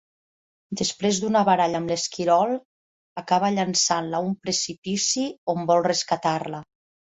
Després d'una baralla amb l'esquirol, acaba llançant-la a un precipici, on vol rescatar-la.